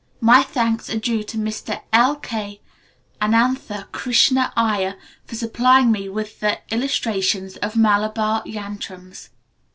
My thanks are due to Mr L. K. Anantha Krishna Iyer for supplying me with the illustrations of Malabar yantrams.